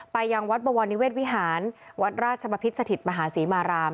ยังวัดบวรนิเวศวิหารวัดราชบพิษสถิตมหาศรีมาราม